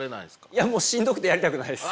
いやもうしんどくてやりたくないです。